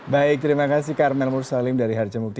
baik terima kasih karmel mursalim dari harjamukti